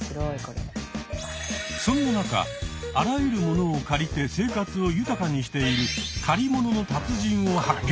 そんな中あらゆる物を借りて生活を豊かにしている借りものの達人を発見。